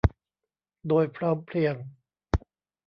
โดยพร้อมเพรียง